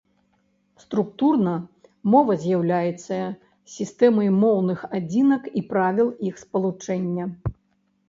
Структурна мова з'яўляецца сістэмай моўных адзінак і правіл іх спалучэння.